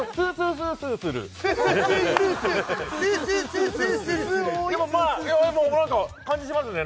スースーするでも何か感じしますね